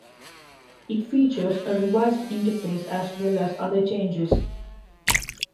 It features a revised interface as well as other changes.